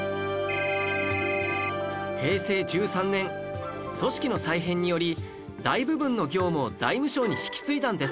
平成１３年組織の再編により大部分の業務を財務省に引き継いだんです